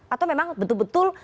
atau memang betul betul